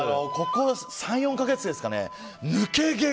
ここ３４か月ですかね。